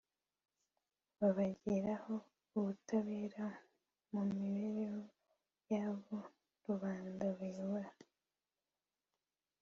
babagiraho ubutabera mu mibereho y'abo rubanda bayobora